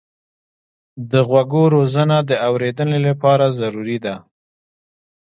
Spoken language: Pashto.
د غوږو روزنه د اورېدنې لپاره ضروري ده.